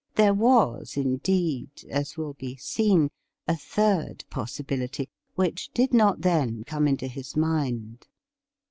There was, indeed, as will be seen, a third possibility, which did not then come into his mind.